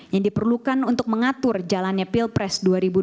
yang diperlukan untuk mengatur jalannya pilpres dua ribu dua puluh